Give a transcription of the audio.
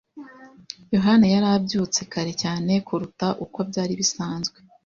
Yohana yari yabyutse kare cyane kuruta uko byari bisanzwe.